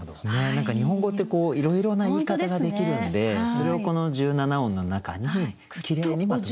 何か日本語っていろいろな言い方ができるんでそれをこの１７音の中にきれいにまとめていく。